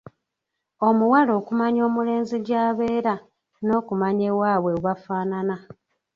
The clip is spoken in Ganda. Omuwala okumanya omulenzi gy’abeera n’okumanya ewaabwe bwe w'afaanana.